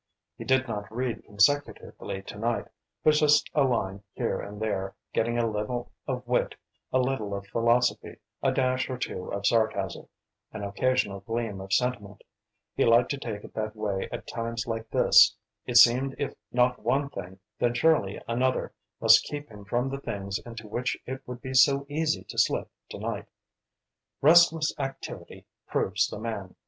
He did not read consecutively to night, but just a line here and there, getting a little of wit, a little of philosophy, a dash or two of sarcasm, an occasional gleam of sentiment; he liked to take it that way at times like this; it seemed if not one thing, then surely another, must keep him from the things into which it would be so easy to slip to night. "Restless activity proves the man!"